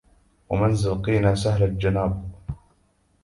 ومنزل قينة سهل الجناب